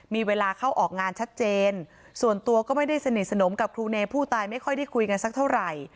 มีเวลาเข้าออกงานชัดเจนส่วนตัวก็ไม่ได้สนิทสนมกับครูเนผู้ตายไม่ค่อยได้คุยกันสักเท่าไหร่